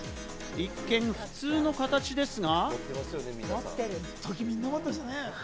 一見普通の形ですが。